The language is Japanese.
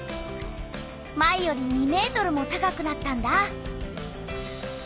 前より２ｍも高くなったんだ。